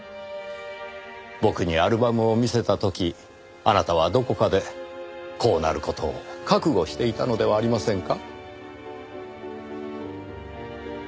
僕にアルバムを見せた時あなたはどこかでこうなる事を覚悟していたのではありませんか？